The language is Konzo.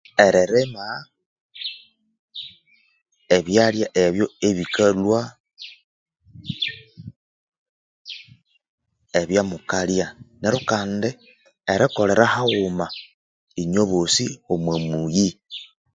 Erilima ebyalya ebo ebikalhwa ebyamukalya neru Kandi erikolera haghuma inywebosi omomuyi